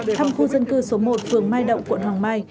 thăm khu dân cư số một phường mai động quận hoàng mai